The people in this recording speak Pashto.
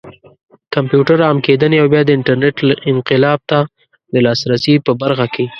کمپيوټر عام کېدنې او بيا د انټرنټ انقلاب ته د لاسرسي په برخه کې